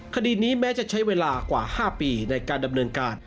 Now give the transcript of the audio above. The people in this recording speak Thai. คดีนี้แม้จะใช้เวลากว่า๕ปีในการดำเนินการ